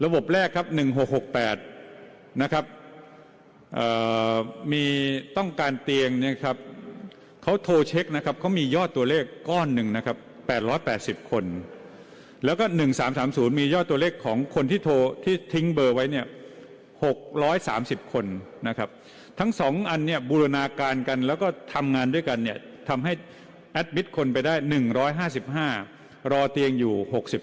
บริวารณาการกันแล้วก็ทำงานด้วยกันทำให้แอดมิตคนไปได้๑๕๕รอยเตียงอยู่๖๙